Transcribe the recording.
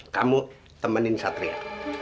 kamu temenin satria